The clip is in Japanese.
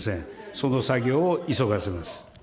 その作業を急がせます。